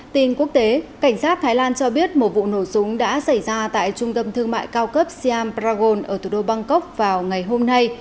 tin quốc tế cảnh sát thái lan cho biết một vụ nổ súng đã xảy ra tại trung tâm thương mại cao cấp siam bragon ở thủ đô bangkok vào ngày hôm nay